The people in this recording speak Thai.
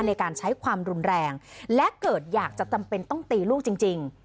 ในการใช้ความรุนแรงและเกิดอยากจะจำเป็นต้องตีลูกจริง